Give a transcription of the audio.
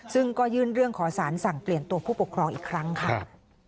ซึ่งก็ยื่นเรื่องขอสารสั่งเปลี่ยนตัวผู้ปกครองอีกครั้งค่ะ